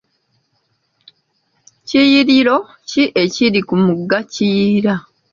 Kiyiriro ki ekiri ku mugga kiyira?